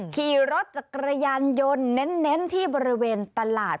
ขี่รถจักรยานยนต์เน้นที่บริเวณตลาด